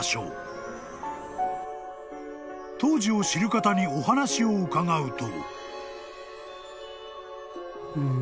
［当時を知る方にお話を伺うと］